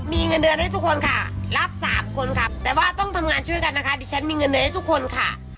มีเงินเดือนให้ทุกคนค่ะรับสามคนค่ะแต่ว่าต้องทำงานช่วยกันนะคะดิฉันมีเงินเดือนให้ทุกคนค่ะ